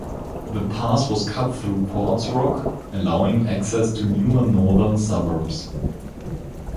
The pass was cut through quartz rock allowing access to the newer northern suburbs.